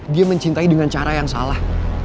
dia mencintai dengan cara yang salah